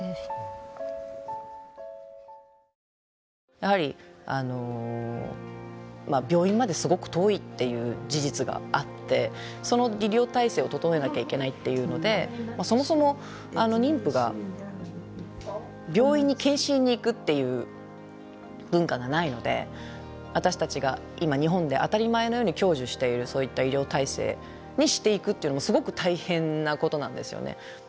やはり病院まですごく遠いっていう事実があってその医療体制を整えなきゃいけないっていうのでそもそも妊婦が病院に健診に行くっていう文化がないので私たちが今日本で当たり前のように享受しているそういった医療体制にしていくっていうのもすごく大変なことなんですよね。